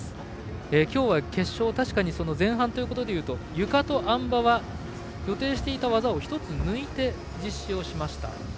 今日は決勝確かに前半ということでいうとゆかとあん馬は予定していた技を１つ抜いて実施をしました。